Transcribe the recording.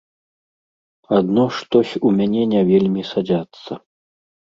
Адно штось у мяне не вельмі садзяцца.